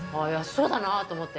そうだなと思って。